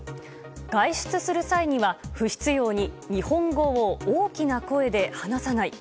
外出する際には、不必要に日本語を大きな声で話さない。